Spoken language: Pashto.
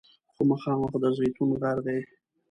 خو مخامخ د زیتون غر دی.